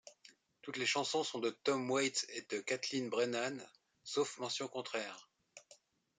Toutes les chansons sont de Tom Waits et Kathleen Brennan, sauf mention contraire.